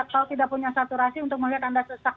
kalau tidak punya saturasi untuk melihat anda sesak